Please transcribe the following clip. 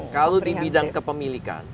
kalau di bidang kepemilikan